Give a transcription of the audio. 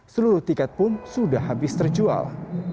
seluruh tiket pun sudah habis terjual